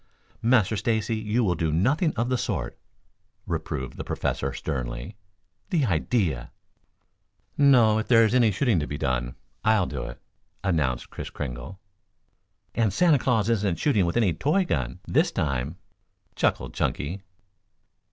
"Master Stacy, you will do nothing of the sort," reproved the Professor sternly. "The idea!" "No; if there's any shooting to be done I'll do it," announced Kris Kringle. "And Santa Claus isn't shooting with any toy gun, this time," chuckled Chunky.